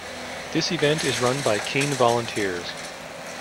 This event is run by keen volunteers.